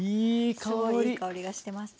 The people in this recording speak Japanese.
すごいいい香りがしてます。